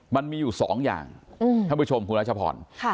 มันมีอยู่สองอย่างท่านผู้ชมคุณรัชพร